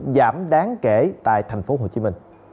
giảm đáng kể tại tp hcm